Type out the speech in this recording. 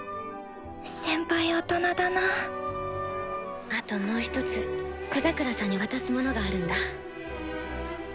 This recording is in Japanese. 先輩大人だなぁあともう一つ小桜さんに渡すものがあるんだ。